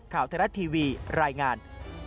ข่าวทะเลาะทีวีรายงาน